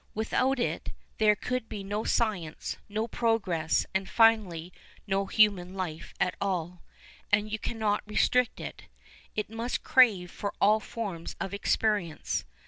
Without it there could be no science, no progress, and finally no human life at all. And you cannot restrict it. It must crave for all forms of experience.